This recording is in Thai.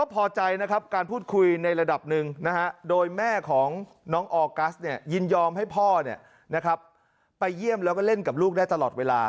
ไปเยี่ยมแล้วก็เล่นกับลูกได้ตลอดเวลา